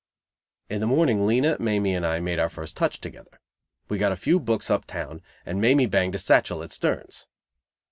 In the morning Lena, Mamie and I made our first "touch" together. We got a few "books" uptown, and Mamie banged a satchel at Sterns.